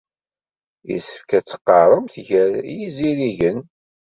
Yessefk ad teqqaremt gar yizirigen.